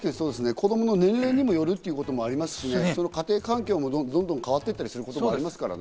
子供の年齢によるということもありますしね、家庭環境も変わっていったりすることもありますからね。